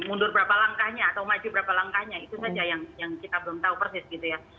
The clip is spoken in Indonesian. mundur berapa langkahnya atau maju berapa langkahnya itu saja yang kita belum tahu persis gitu ya